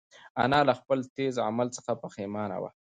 انا له خپل تېز عمل څخه پښېمانه وه.